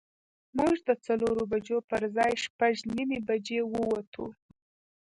موږ د څلورو بجو پر ځای شپږ نیمې بجې ووتو.